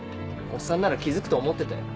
おっさんなら気付くと思ってたよ。